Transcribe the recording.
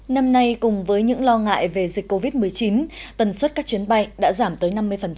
năm nay cùng với những lo ngại về dịch covid một mươi chín tần suất các chuyến bay đã giảm tới năm mươi